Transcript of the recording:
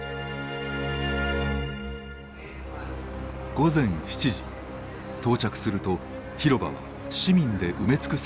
午前７時到着すると広場は市民で埋め尽くされていました。